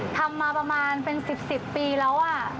ทำมาประมาณเป็นสิบปีแล้วอ่ะ